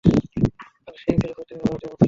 আর সে-ই ছিল সত্যিকারের ভারতীয় মুসলিম।